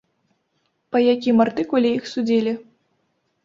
Па якім артыкуле іх судзілі?